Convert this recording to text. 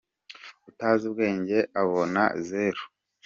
Utazi ubwenge abona zero.